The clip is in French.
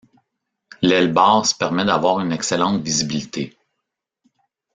L'aile basse permet d'avoir une excellente visibilité.